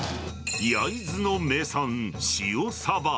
焼津の名産、塩サバ。